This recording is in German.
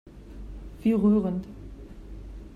Wie rührend!